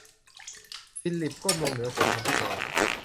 ฟิลลิปก้มลงเหนือหัวของปิแอร์